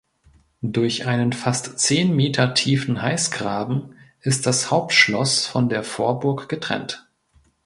Durch einen fast zehn Meter tiefen Halsgraben ist das Hauptschloss von der Vorburg getrennt.